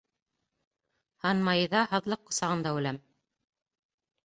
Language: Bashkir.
Хан-маиҙа — һаҙлыҡ ҡосағында үләм!